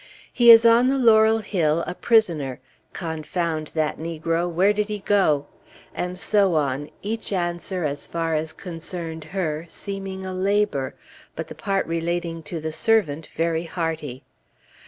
"He is on the Laurel Hill a prisoner Confound that negro! where did he go?" And so on, each answer as far as concerned her, seeming a labor, but the part relating to the servant very hearty.